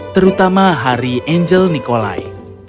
terutama hari angel nikolai